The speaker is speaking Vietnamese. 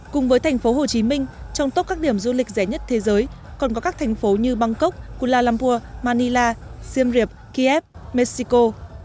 cùng với thành phố hồ chí minh trong top các điểm du lịch rẻ nhất thế giới còn có các thành phố như bangkok kuala lumpur manila siem reap kiev mexico